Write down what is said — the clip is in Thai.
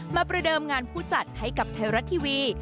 ประเดิมงานผู้จัดให้กับไทยรัฐทีวี